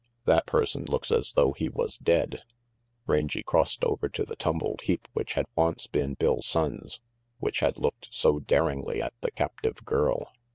"That person looks as though he was dead/' Rangy crossed over to the tumbled heap which had once been Bill Sonnes, which had looked so daringly at the captive girl.